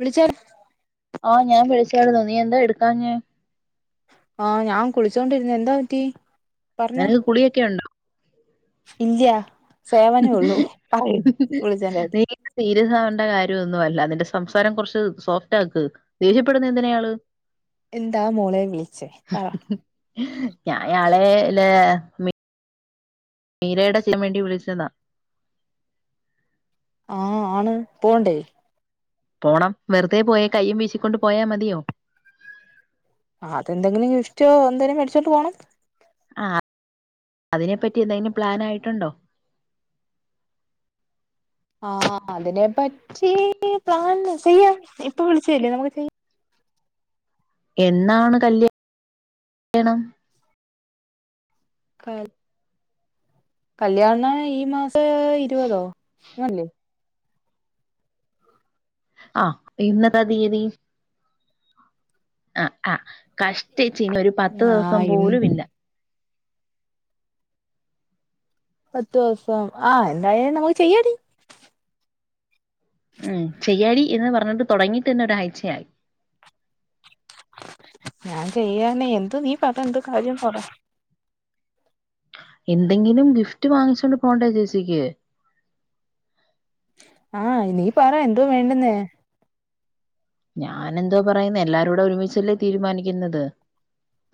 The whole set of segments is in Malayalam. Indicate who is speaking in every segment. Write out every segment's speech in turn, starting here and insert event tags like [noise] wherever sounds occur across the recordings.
Speaker 1: വിളിച്ചാ
Speaker 2: ഓഹ് ഞാൻ വിളിച്ചരുന്നു നീ എന്താ എടുക്കാഞ്ഞെ
Speaker 1: ആഹ് ഞാൻ കുളിച്ചോണ്ടിരുന്ന എന്താ പറ്റി പറഞ്ഞോ
Speaker 2: നിനക്ക് കുളിയൊക്കെ ഉണ്ടോ
Speaker 1: ഇല്ല സേവനേ ഉള്ളൂ
Speaker 2: [unintelligible]
Speaker 1: വിളിച്ചേന്റെ കാര്യം
Speaker 2: സീ രസാവണ്ട കാര്യമൊന്നുമ അല്ല നിന്റെ സംസാരം കുറച്ച് സോഫ്റ്റ് ആക്ക് ദേഷ്യപ്പെടുന്ന എന്തിനയാള്
Speaker 1: എന്താ മോളെ വിളിച്ചേ പറ
Speaker 2: ഞാൻ അയാളെല്ല മീരയുടെ ചെയ്യാൻണ്ടി വിളിച്ചതാ
Speaker 1: ആഹ് ആണ് പോണ്ടേ
Speaker 2: പോണം വെറുതെ പോയേ കയ്യും വീശിക്കൊണ്ട് പോയാ മതിയോ?
Speaker 1: ആ അതെന്തെങ്കിലും ഗിഫ്‌റ്റോ എന്തേലും മേടിച്ചോട്ട് പോണം
Speaker 2: ആ അതിനെപ്പറ്റി എന്തെങ്കിലും പ്ലാൻ ആയിട്ടുണ്ടോ?
Speaker 1: ആ അതിനെ പറ്റി പ്ലാൻ ചെയ്യാം ഇപ്പൊ വിളിച്ചല്ലേ നമുക്ക് ചെയ്യാം
Speaker 2: എന്നാണ് കല്യാണംണം
Speaker 1: കൽ കല്യാണ
Speaker 2: കല്യാണം
Speaker 1: ഈ മാസം
Speaker 2: ഈ-
Speaker 1: ഇരുപതോ അല്ലേ?
Speaker 2: ആഹ് ഇന്നതാ തീയതി? ആ ആ കഷ്ടിച്ച് ഇന്ന് ഒരു പത്ത്
Speaker 1: ആ
Speaker 2: ദിവസം
Speaker 1: ഇന്ന്
Speaker 2: പോലും ഇല്ല
Speaker 1: പത്ത് ദിവസം ആ എന്തായാലും നമ്മുക്ക് ചെയ്യടി -
Speaker 2: ഉം ചെയ്യാടി എന്ന് പറഞ്ഞിട്ട് തുടങ്ങിട്ട്ന്നെ ഒരാഴ്ചയായി.
Speaker 1: ഞാൻ ചെയ്യാനെ
Speaker 2: ചെയ്യാനേ
Speaker 1: എന്ത് നീ പറ എന്ത് കാര്യം പറ
Speaker 2: എന്തെങ്കിലും ഗിഫ്റ്റ് വാങ്ങിച്ചോണ്ട് പോണ്ടേ ജേസിക്ക്
Speaker 1: ആഹ് നീ പറ എന്തോ വേണ്ടന്നേ?
Speaker 2: ഞാനെന്തോ പറയുന്ന എല്ലാരുട ഒരുമിച്ചല്ലേ തീരുമാനിക്കുന്നത്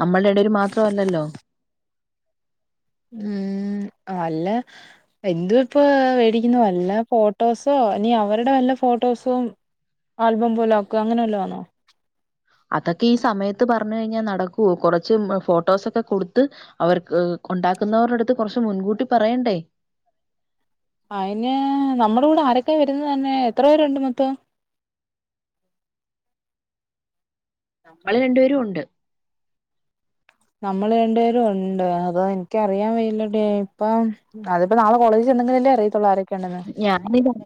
Speaker 2: നമ്മൾ രണ്ടുപേരും മാത്രല്ലല്ലോ
Speaker 1: ഉം അല്ല എന്ത ഇപ്പ മേടിക്കുന്നു വല്ല ഫോ ട്ടോസോ ഇനി അവരുടെ വല്ല ഫോട്ടോസും ആൽബം പോല ആക്ക അങ്ങനെ വല്ലോ ആണോ
Speaker 2: അതൊക്കെ ഈ സമയത്ത് പറഞ്ഞു കഴിഞ്ഞാൽ നടക്കുവോ കുറച്ച് ഫോട്ടോസൊക്കെ കൊടുത്ത് അവർക്ക് ഉണ്ടാക്കുന്നവരുടെ അടുത്ത് കുറച്ച് മുൻകൂട്ടി പറയണ്ടേ
Speaker 1: അയിന് നമ്മുടെ കൂടെ ആരൊക്കെ വരുന്നത് തന്നെ എത്ര പേരുണ്ട് മൊത്തം? നമ്മള് രണ്ട്
Speaker 2: രണ്ടുപേരും
Speaker 1: പെരും
Speaker 2: ഉണ്ട്
Speaker 1: നമ്മള് രണ്ടു പേരും ഉണ്ട് അതോ എനിക്കറിയാൻ വയല്ലടി അപ്പം അതിപ്പപ്പോ നാളെ കോളേജ് ഉണ്ടങ്കിലല്ലേ അറിയത്തുള്ളൂ ആരൊക്കെയ ഉണ്ടന്ന്?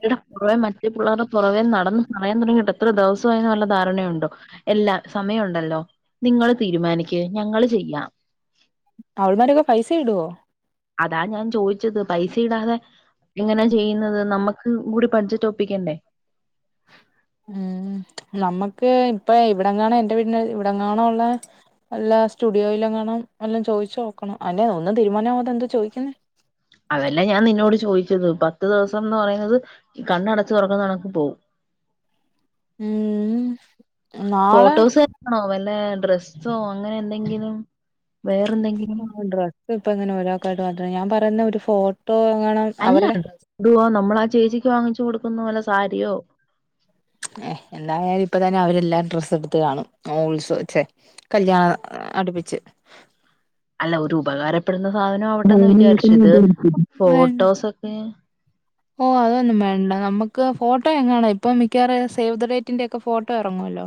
Speaker 2: പുറവേ മറ്റേ പിള്ളേരുടെ പുറവേ നടന്നന്ന് പറയാൻ തുടങ്ങിയിട്ട് എത്ര ദിവസമായി നല്ല ധാരണയുണ്ടോ? എല്ലാ സമയമുണ്ടല്ലോ നിങ്ങൾ തീരുമാനിക് ഞങ്ങള് ചെയ്യാം.
Speaker 1: അവൾമാരൊക്കെ പൈസയിടോ
Speaker 2: അതാ ഞാൻ ചോയിച്ചത് പൈസയി ടാതെ ഇങ്ങനെ ചെയ്യുന്നത് നമ്മക്ക് ക്ക്‌ കൂടി ബഡ്ജറ്റ്‌ ഒപ്പിക്കേണ്ടെ
Speaker 1: ഉംഹ് നമ്മക്ക് ഇപ്പ ഇവിടെങ്ങാണോ എന്റെ വീടിന്റെ ഇവിടെ ങ്ങാണോള്ള അല്ലാ സ്റ്റുഡിയോയിലെങ്ങാനും എല്ല ചോയിച്ചോക്കണം അല്ല ഒന്നും തീരുമാനമാവാതെന്തോ ചോദിക്കുന്നേ
Speaker 2: അതല്ലേ ഞാൻ നിന്നോട് ചോദിച്ചത് പത്ത് ദിവസംന്ന് പറയുന്നത് ഈ കണ്ണടച്ചു തുറക്കുന്നകണക്ക് പോവും
Speaker 1: ഉം ഉം
Speaker 2: ഫോട്ടോസ് എണോ വല്ല ഡ്രസ് ഡ്രസ്സൊ അങ്ങനെന്തെങ്കിലും വേറെ ന്തെങ്കിലും
Speaker 1: ഇപ്പങ്ങനെ ഒരാക്കായിട്ട് മാത്രെ ഞാൻ പറയുന്നെ ഒരു ഫോട്ടോങ്ങാണം
Speaker 2: അല്ല ടുവോ നമ്മളാ ചേച്ചിക്ക് വാങ്ങിച്ചു കൊടുക്കുന്നപോലെ സാരിയോ
Speaker 1: ഏഹേ ന്നാങ്ങേര് ഇപ്പ തന്നെ അവരെല്ലാം ഡ്രസ്സ് എടുത്ത് കാണും ആ ഉത്സാച്ചെ കല്യാണ അടുപ്പിച്ച്
Speaker 2: അല്ല ഒരു ഉപകാരപ്പെടുന്ന സാധനാവട്ടെന്ന് വിചാരിച്ചു ഇത്
Speaker 1: വേണ്ട
Speaker 2: ഫോട്ടോസൊക്കെ
Speaker 1: ഓ അതൊന്നും വേണ്ട നമുക്ക് ഫോട്ടോ എങ്ങാണാണഇപ്പൊ മിക്കവാറ് സേവ് ദ ഡേറ്റിന്റെക്കെ ഫോട്ടോ ഇറങ്ങുവല്ലോ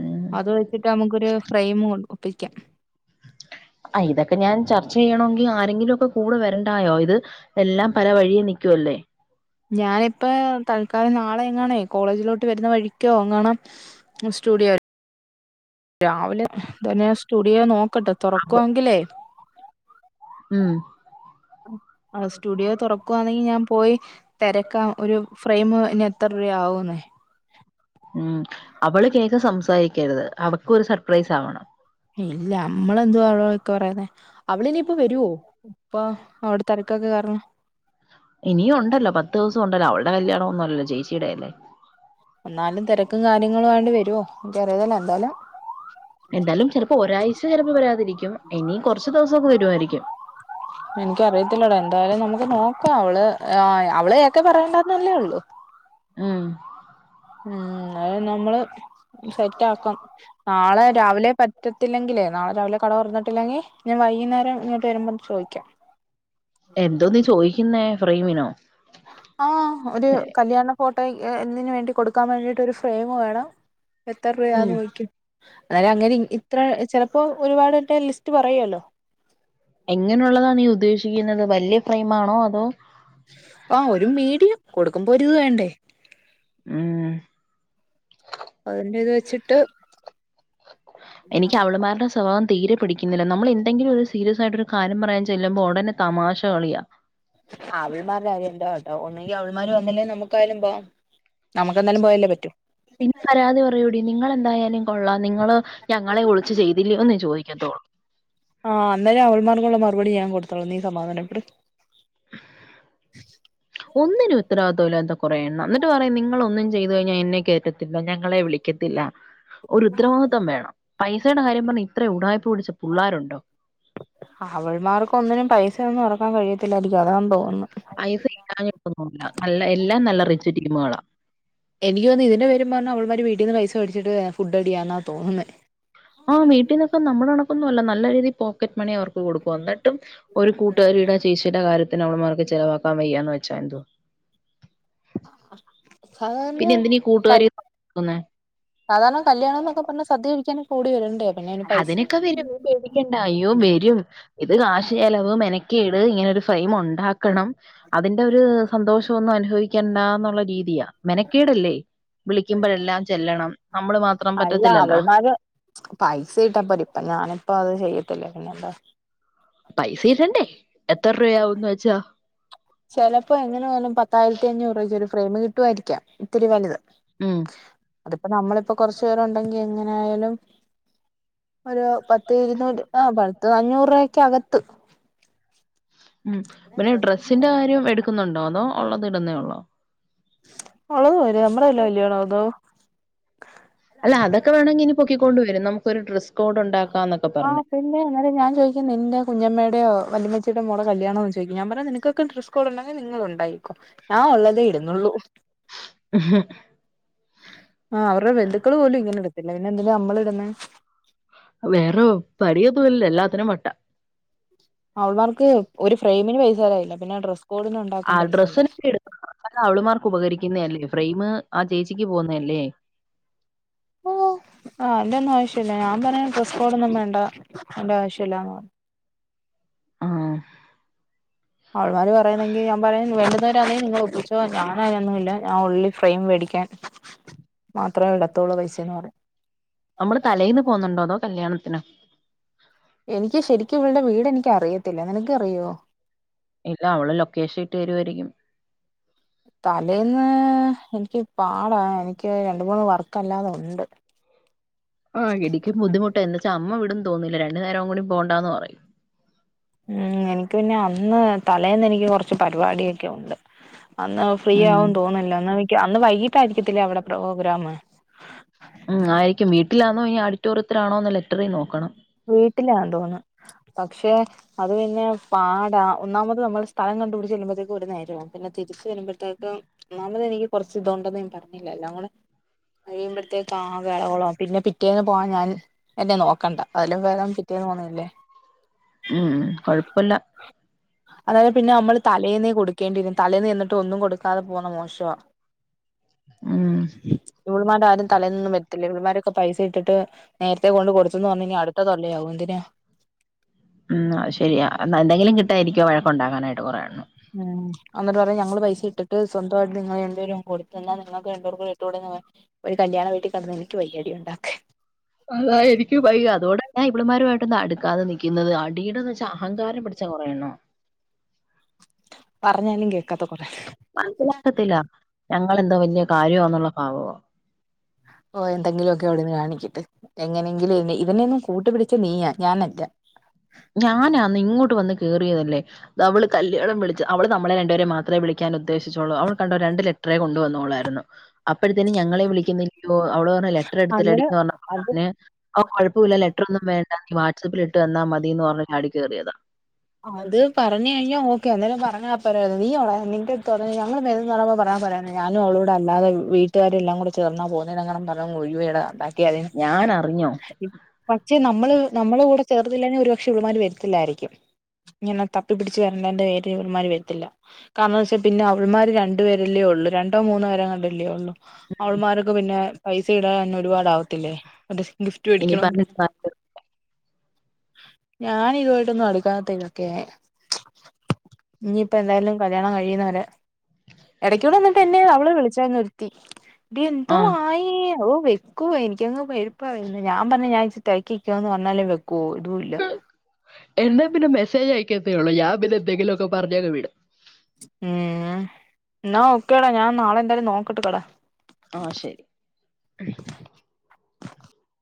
Speaker 2: ഉം
Speaker 1: അത് വെച്ചിട്ട് നമ്മക്കൊരു ഫ്രെയിമ് ഒപ്പിക്ക
Speaker 2: അയിതൊക്കെ ഞാൻ ചർച്ച ചെയ്യണൊങ്കി ആരെങ്കിലൊക്കെ കൂടെ വരണ്ടായോ ഇത് എല്ലാം പല വഴിയെ നിക്കുവല്ലേ
Speaker 1: ഞാനിപ്പോ തൽക്കാലം നാളെങ്ങാണേ കോളേജിലോട്ട് വരുന്ന വഴിക്കോ എങ്ങാണം സ്റ്റുഡിയോ രാവിലെ തന്നെ സ്റ്റുഡിയോ നോ ക്കട്ടെ തൊറക്കോങ്കിലേ
Speaker 2: ഉം
Speaker 1: ആഹ് സ്റ്റുഡിയോ തൊറക്കുവാന്നെങ്കി ഞാൻ പോയി തെരക്കാം ഒരു ഫ്രെയിമ്ന് എത്ര രൂവയാവൂന്നേ
Speaker 2: മ്മ് അവള് കേക്കെ സംസാരിക്കര്ത് അവക്കൊരു സർപ്രൈസാവണം
Speaker 1: ഇല്ല നമ്മളെന്തുവാ അവളെക്കെ പറയുന്നെ അവള് ഇനിപ്പൊ വെരോ ഇപ്പ അവ്‌ടെ തെരക്കൊക്കെ കാരണം
Speaker 2: ഇനിയുണ്ടല്ലോ പത്തൂസം ഉണ്ടല്ലോ അവള്ടെ കല്ല്യാണോന്നുല്ലല് ചേച്ചിടെ അല്ലേ
Speaker 1: എന്നാലും തെരക്കും കാര്യങ്ങളായൊണ്ട് വെരോ എനിക്കറിയുല എന്താലും
Speaker 2: എന്താലും ചെലപ്പോ ഒരാഴ്ച ചെലപ്പോ വരാതിരിക്കും ഇനിം കൊറച്ച് ദിവസൊക്കെ വരുവായിരിക്കും
Speaker 1: എന്ക്കറിയത്തില്ലടാ എന്തായാലും നമുക്ക് നോക്കാം അവള് അവളേക്കെ പറയണ്ടാന്നല്ലേ ഒള്ളു
Speaker 2: ഉം
Speaker 1: ഉം അത് നമ്മള് സെറ്റാക്കാം നാളെ രാവിലെ പ റ്റത്തില്ലെങ്കിലെ നാളെ രാവിലെ കട തൊറന്നിട്ടില്ലെങ്കി ഞാൻ വൈകുന്നേരം ഇങ്ങട്ട് വരുമ്പോ ചോയിക്കാം
Speaker 2: എന്തോ നീ ചോയിക്കുന്നേ ഫ്രെയിമിനോ?
Speaker 1: ആഹ് ഒരു കല്ല്യാണ ഫോട്ടോ ഇതിന് വേണ്ടി കൊടുക്കാൻ വേണ്ടീട്ട് ഒരു ഫ്രെയിമ് വേണം എത്ര
Speaker 2: ഉം
Speaker 1: രൂപയാന്നൊയിക്കും ഇന്നാലേ അങ്ങനെ ഇത്ര ചെലപ്പോ ഒരുപാടെറ്റെ ലിസ്റ്റ് പറയല്ലോ
Speaker 2: എങ്ങനെയുള്ളതാ നീ ഉദ്ദേശിക്കുന്നത് വല്ല്യ ഫ്രെയിമാണോ അതോ
Speaker 1: ആഹ് ഒരു മീഡിയം കൊടുക്കുമ്പോ ഒരു വേണ്ടേ
Speaker 2: മ്മ്
Speaker 1: അതിന്റെത് വെച്ചിട്ട്
Speaker 2: എനിക്ക് അവള്മാര്ടെ സ്വഭാവം തീരെ പിടിക്ക്ന്നില്ല നമ്മള് എന്തെങ്കിലൊരു സീരിയസായിട്ടോര് കാര്യം പറയാൻ ചെല്ലുമ്പോ ഒടനെ തമാശ കളിയാ
Speaker 1: അവള്മാരുടെ കാര്യം എന്തൊ ആവട്ടേ ഒന്നെങ്കി അവള്മാര് വന്നില്ലേ നമുക്കായാലും പോവാ നമ്മുക്കെന്താലും പോയല്ലേ പറ്റു
Speaker 2: പിന്നെ പരാതി പറയോടി നിങ്ങള് എന്തായാലും കൊള്ളാം നിങ്ങള് ഞങ്ങളെ ഒളിച്ച് ചെയ്തില്ല്യോന്ന് ചോയ്ക്കത്തൊള്ളൂ
Speaker 1: ആഹ് അന്നേരം അവള്മാർക്കുള്ള മറുപടി ഞാൻ കൊടുത്തോളാം നീ സമാധാനപ്പെട്
Speaker 2: ഒന്നിനും ഉത്തരവാദിത്തല്ലന്ത കൊറേ എണ്ണം എന്നിട്ട് പറയും നിങ്ങളൊന്നും ചെയ്ത് കഴിഞ്ഞ എന്നെ കേറ്റത്തില്ല ഞങ്ങളെ വിളിക്കത്തില്ല ഒരു ഉത്തരവാദിത്തം വേണം പൈസേടെ കാര്യം പറഞ്ഞ് ഇത്രയും ഉടായിപ്പ് പുടിച്ച പുള്ളാരുണ്ടൊ
Speaker 1: അവള്മാർക്കൊന്നിനും പൈസയൊന്നും എറക്കാൻ കഴിയത്തില്ലായിരിക്കും അതാന്ന് തോന്ന്ന്ന്
Speaker 2: പൈസ ഇല്ലാഞ്ഞിട്ടൊന്നു അല്ല നല്ല എല്ലാം നല്ല റിച്ച് ടീമേളാ
Speaker 1: എനിക്ക് തോന്ന ഇതിന്റെ പേര് പറഞ്ഞ് അവള്മാര് വീട്ടീന്ന് പൈസ വേടിച്ചിട്ട് ഫുഡ്ഡടിയാന്ന തോന്ന്ന്നേ
Speaker 2: ആഹ് വീട്ടീന്നൊക്ക നമ്മ്ടെ കണക്കൊന്നു അല്ല നല്ല രീതി പോ ക്കറ്റ് മണി അവർക്ക് കൊടുക്കും എന്നിട്ടും ഒരു കൂട്ടുക്കാരീടെ ചേച്ചീടെ കാര്യ ത്തിന് അവള്മാർക്ക് ചെലവാക്ക വയ്യാന്ന് വെച്ച എന്ത്വാ
Speaker 1: സാധാരണ
Speaker 2: പിന്നെ എന്തിനാ ഈ
Speaker 1: കഴി
Speaker 2: കൂട്ടുകാരി [inaudible] ക്കുന്നേ
Speaker 1: സാധാരണ കല്യാണംന്നൊക്കെ പറഞ്ഞ സദ്യ കഴിക്കാന് കൂടി വരണ്ടെ
Speaker 2: അതിനൊക്ക വരും നീ പേടിക്കണ്ട അയ്യോ വെരും ഇത് കാശ് ചെലവ് മെനക്കേട് ഇങ്ങനൊരു ഫ്രെയിമ് ഉണ്ടാക്കണം അതിന്റോര് സന്തോഷൊന്നും അനുഭവിക്കണ്ടാന്ന്ള്ള രീതിയാ മെനക്കേടല്ലെ വിളിക്കുമ്പഴെല്ലാം ചെല്ലണം നമ്മള് മാത്രം
Speaker 1: അല്ല
Speaker 2: പറ്റത്തില്ലല്ലൊ
Speaker 1: അവൾമാര് പൈസ ഇട്ടപ്പോരെ ഇപ്പ ഞാനിപ്പ അത് ചെയ്യത്തില്ലേ പിന്നെന്താ
Speaker 2: പൈസ ഇടണ്ടെ എത്ര റൂബയാവ്ന്ന് വെച്ച
Speaker 1: ചെലപ്പൊ എങ്ങനെ പോയാലും പത്തായിരത്തി അഞ്ഞൂറ് രൂബക്ക് ഒര് ഫ്രെയിമ് കിട്ടുവായിരിക്ക ഇത്തിരി വല്ത്
Speaker 2: ഉം
Speaker 1: അതിപ്പ നമ്മളിപ്പൊ കൊറച്ച് പേരു ഉണ്ടെങ്കി എങ്ങനെ ആയാലും ഒര പത്ത് ഇരുന്നൂറ് ആഹ് പത്ത് അഞ്ഞൂറ് രൂപക്കകത്ത്
Speaker 2: ഉം പിന്നെ ഡ്രസ്സിന്റെ കാര്യം എടുക്കുന്നുണ്ടൊ അതോ ഉള്ളത് ഇടുന്നേ ഉള്ളൊ
Speaker 1: ഒള്ളത് പോരെ നമ്മ്ടെ അല്ലെ കല്യാണം അതൊ
Speaker 2: അല്ല അതൊക്കെ വേണെങ്കി ഇനി പൊക്കിക്കോണ്ട് വരും നമുക്ക് ഒര് ഡ്രസ് കോഡ് ഇണ്ടാക്കാം എന്നൊക്കെ പറഞ്
Speaker 1: ഞാ ചോദിക്കും നിന്റെ കുഞ്ഞമ്മേടെയൊ വല്യമച്ചിടെ മോടെ കല്യാണൊന്ന് ഞാ പറഞ്ഞു നിനക്ക് നിങ്ങക്ക് ഡ്രസ് കോഡ് ഉണ്ടെങ്കി നിങ്ങളുണ്ടാക്കിക്കോ ആഹ് അവര്ടെ ബന്ധുക്കൾ പോലും ഇങ്ങനെടത്തില്ല പിന്നെ എന്തിന നമ്മള് ഇട്ന്നെ
Speaker 2: വേറ പണിയൊന്നുല്ല എല്ലാത്തിനും വട്ട
Speaker 1: അവൾമാർക്ക് ഒരു ഫ്രെയിമിന് പൈസ തരാൻ കയില്ല പിന്നെ ഡ്രസ് കോഡിന് ഉണ്ടാക്ക പൈസ
Speaker 2: അത് അവൾമാർക്ക് ഉപകരിക്കുന്നെ അല്ലെ ഫ്രെയിമ് ആഹ് ചേച്ചിക്ക് പോവ്ന്ന അല്ലെ
Speaker 1: ആഹ് അയിന്റൊന്നും ആവശ്യല്ല. ഞാൻ പറയ ഡ്രസ് കോഡൊന്നും വേണ്ട അയിന്റെ ആവശ്യല്ലാന്ന് പറഞ്ഞു
Speaker 2: ആഹ്
Speaker 1: അവൾമാര് പറയണെങ്കി ഞാൻ പറയും വേണ്ട നിങ്ങള് ഒപ്പിച്ചൊ ഞാന് അയിനൊന്നുല്ല ഞാൻ ഒൺളി ഫ്രെയിമ് വേടിക്കാൻ മാത്രേ വെടത്തുള്ളു പൈസേന്ന് പറയും
Speaker 2: കല്ല്യാണത്തിന
Speaker 1: എനിക്ക് ശരിക്ക് ഇവൾടെ വീട് എനിക്ക അറിയത്തില്ല നിനക്കറിയൊ
Speaker 2: ഇല്ല അവള് ലൊക്കേഷ ഇട്ട് തരുവായരിക്കും
Speaker 1: തലേന്ന് ൻക്ക് പാടാ. എൻക്ക് രണ്ട് മൂന്ന് വർക്ക അല്ലാതെ ഉണ്ട്
Speaker 2: ആഹ് എനിക്കും ബുദ്ധിമുട്ട എന്നെ ന്നച്ച അമ്മ വിടുന്ന് തോന്നില്ല. രണ്ട് നേരം കുടി പോണ്ടാന്ന് പറയും
Speaker 1: ഉം എനിക്ക് പിന്നെ അന്ന് തലേന്ന് എനിക്ക് കൊറച്ച് പരിപാടിയൊക്കെ ഉണ്ട് അന്ന്
Speaker 2: ഉം
Speaker 1: ഫ്രീയാവുംന്ന് തോന്നില്ല അന്ന് മിക്ക അന്ന് വൈകീട്ടായിരിക്കത്തില്ലെ അവടെ പ്രോഗ്രാമ്
Speaker 2: ഉം ആയിരിക്കും. വീട്ട്ലാണൊ ഇനി ആഡിറ്റോറിയത്തിലാണൊന്ന് ലെറ്ററി നോക്കണം
Speaker 1: വീട്ടിലാ തോന്ന്ന്ന് പക്ഷെ അത് പിന്നെ പാടാ. ഒന്നാമത് നമ്മൾ സ്ഥലം കണ്ടുപിടിച്ച് ചെല്ലുമ്പത്തേക്കും ഒര് നേരാവും പിന്നെ തിരിച്ചു വരുമ്പത്തേക്ക് ഒന്നാമത് എനിക്ക് കൊറച്ച് ഇതുണ്ടെന്ന് ഞാന് പറഞ്ഞില്ലെ എല്ലാകൂടെ അത് യ്യുമ്പത്തേക്ക് ആകെ എളകുളാകും പിന്നെ പിറ്റേന്ന് പോകാൻ ഞാന് എന്നെ നോക്കണ്ട അതിലും ഭേദം പിറ്റേന്ന് പോക്ണില്ലെ
Speaker 2: ഉം കൊഴപ്പല്ല
Speaker 1: അതായത് പിന്നെ നമ്മള് തലേന്നേ കൊടുക്കേണ്ടിവരും തലേന്ന് ചെന്നിട്ട് ഒന്നും കൊടുക്കാതെ പോണത് മോഷാ
Speaker 2: ഉം
Speaker 1: ഇവൾമാരാരും തലേന്നൊന്നും വരത്തില്ല ഇവൾമാരൊക്കെ പൈസ ഇട്ടിട്ട് നേരത്തെ കൊണ്ട് കൊടുത്ത ത്ത്ന്ന് പറഞ് ഇനി അടുത്ത തല്ലിനാവും എന്തിന്
Speaker 2: ഉം അത് ശരിയാ എന്താ എന്തെങ്കിലും കിട്ടായിരിക്കാ വഴക്ക്‌ ഉണ്ടാക്കാനായിട്ട് കുറേയെണ്ണം
Speaker 1: ഉം എന്നിട്ട് പറയാ ഞങ്ങള് പൈസ ഇട്ടിട്ട് സ്വന്തമായിട്ട് നിങ്ങള് രണ്ട് പേരും കൊടുത്താ എന്നാ നിങ്ങൾക്ക് രണ്ട് പേർക്കും കൂടെ ഇട്ടൂടെ ന്ന് പറ ഒരു കല്യാണ വീട്ടിൽ കിടന്ന് എനിക്ക് വയ്യ അടി ഉണ്ടാക്കാൻ
Speaker 2: അതാ എനിക്കുംവയ്യ അതോടെ ഞാൻ ഇവളുമാരുമായിട്ടൊന്നും അടുക്കാതെ നിക്കുന്നത് അടിയുടെന്ന് വെച്ചാ അഹങ്കാരം പിടിച്ച കുറേയെണ്ണാ
Speaker 1: പറഞ്ഞാലും കേക്കാത്ത കൊറെഎണ്ണം
Speaker 2: ഞങ്ങെളെന്തോ വലിയ കാര്യന്നുള്ള ഭാവവാ
Speaker 1: ഓഹ് എന്തെങ്കിലും ഒക്കെ അവിടെന്ന് കാണിക്കിട്ട് എങ്ങനെങ്കിലും ഇതിനെ ഒന്നും കൂട്ട് പിട ക്ക്‌ നീയാ ഞാനല്ല
Speaker 2: ഞാനാന്ന് ഇങ്ങോട്ട് വന്ന് കേറിയതല്ലേ അത് അവള് കല്യാണം വിളിച്ചു അവള് നമ്മളെ രണ്ടുപേരേം മാത്രേ വിളി ക്കാൻ ഉദ്ദേശിച്ചൊള്ളൂ അവൾ കണ്ടോ രണ്ട് ലെറ്ററെ കൊണ്ടുവന്നോള്ളായിരുന്നു അപ്പോഴത്തേന് ഞങ്ങളെ വിളിക്കുന്നില്ലല്ലോ അവൾ പറഞ്ഞ ലെറ്റർ
Speaker 1: അന്നേരം
Speaker 2: എടുത്തിട്ടിലെടിന്ന് പറഞ്
Speaker 1: അത്
Speaker 2: എന്നെ ആഹ് കൊഴപ്പമില്ല ലെറ്റർ ഒന്നും വേണ്ട നീ വാട്സപ്പിലിട്ട് തന്നാ മതിയെന്ന് പറഞ് ചാടി കേറിയതാ
Speaker 1: അത് പറഞ് കഴിഞ്ഞാ ഓക്കെ അന്നേരം പറഞ്ഞ പറയ നീയാണോ നിന്റടുത്ത് പറഞ്ഞ ഞങ്ങൾ വേര്ന്നു പറുമ്പോ പറയാ പറയേ ഞാനും അവളും കൂടെ അല്ലതെ വീട്ടുകാരെല്ലാം കൂടെ ചേർന്നാ പോകുന്നേ അന്നേരംങ്ങാനും പറഞ് ഒഴിയോടാ ഉണ്ടാക്കി അതി
Speaker 2: ഞാൻ അറിഞ്ഞോ
Speaker 1: പക്ഷെ നമ്മള് നമ്മള കൂടെ ചേർത്തില്ലെ ഒരു പക്ഷേ ഇവൾമാര് വരത്തില്ലായിരിക്കും ഇങ്ങനെ തപ്പിപ്പിടിച്ച് വരേണ്ടതിന്റെ പേരിൽ ഇവളുമാർ വരത്തില്ല കാരണംന്ന് വെച്ചാൽ പിന്നെ അവൾമാര് രണ്ടുപേരല്ലേ ഉള്ളു രണ്ടോ മൂന്നോ പേര് എങ്ങാണ്ട് അല്ലേ ഉള്ളു അവൾമാരോക്കെ പിന്നെ പൈസ ഇടാൻന്നെ ഒരുപാട് ആവത്തില്ലേ ഒരു ഗിഫ്റ്റ്
Speaker 2: ഇനി
Speaker 1: മേടിക്കണൊങ്കി
Speaker 2: പറഞ്ഞ
Speaker 1: ഞാന ഇതുയിട്ടൊന്നും അടുക്കാത്തത്ത് ഇതൊക്കെയാ ഇഞ്ഞിപ്പം എന്തായാലും കല്യാണം കഴിയുന്നത് വരെ ഇടയ്ക്കൂടെ എന്നിട്ട് എന്നെ അവള് വിളിച്ചായിരുന്നു ത്തി ഡി
Speaker 2: ആ
Speaker 1: എന്തുവായി ഓ വെക്കുവ എനിക്കങ്ങ് മെഴുപ്പ വെരുന്നേ ഞാൻ പറഞ്ഞ ഞാൻ തയ്ക്കിക്കാന്ന് പറഞ്ഞാലും വെക്കോ ഇതും ഇല്ല
Speaker 2: ക്കെത്തെ ഒള്ളു ഞാൻ പിന്നെ എന്തെങ്കിലും ഒക്കെ പറഞ്ഞങ്ങ് വിടും
Speaker 1: ഉം എന്നാ ഓക്കെ ഡാ ഞാൻ നാളെ എന്തായാലും നോക്കട്ടെ കട
Speaker 2: ആഹ് ശരി